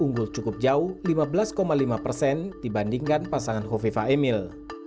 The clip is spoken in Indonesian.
unggul cukup jauh lima belas lima persen dibandingkan pasangan hovifa emil